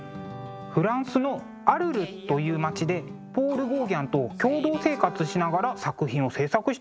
フランスのアルルという町でポール・ゴーギャンと共同生活しながら作品を制作したのですね。